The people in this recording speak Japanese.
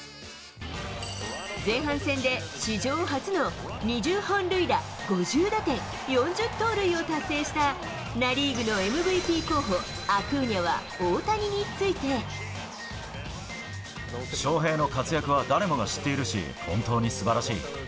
前半戦で、史上初の２０本塁打、５０打点、４０盗塁を達成した、ナ・リーグのＭＶＰ候補、アクー翔平の活躍は、誰もが知っているし、本当にすばらしい。